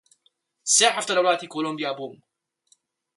سێ حەفتە لە وڵاتی کۆڵۆمبیا بووم